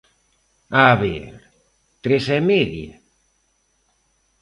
¡A ver!, ¿tres e media?